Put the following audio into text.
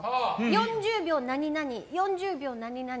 ４０秒何々、４０秒何々。